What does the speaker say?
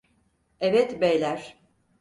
Evet beyler.